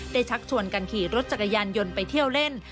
ชักชวนกันขี่รถจักรยานยนต์ไปเที่ยวเล่น